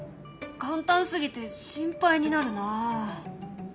簡単すぎて心配になるな。